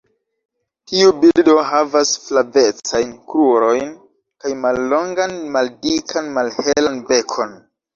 Tiu birdo havas flavecajn krurojn kaj mallongan maldikan malhelan bekon.